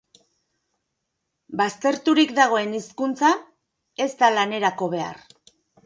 Bazterturik dagoen hizkuntza ez da lanerako behar.